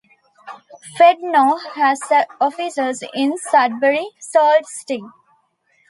FedNor has offices in Sudbury, Sault Ste.